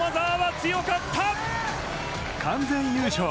完全優勝！